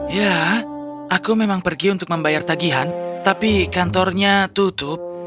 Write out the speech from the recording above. ya aku memang pergi untuk membayar tagihan tapi kantornya tutup